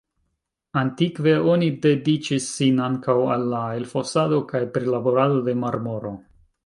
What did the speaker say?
Antikve oni dediĉis sin ankaŭ al la elfosado kaj prilaborado de marmoro.